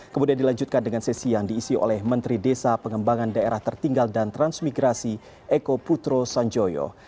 kemudian dilanjutkan dengan sesi yang diisi oleh menteri desa pengembangan daerah tertinggal dan transmigrasi eko putro sanjoyo